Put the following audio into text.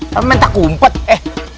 mereka minta kumpet eh